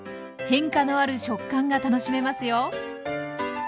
変化のある食感が楽しめますよ。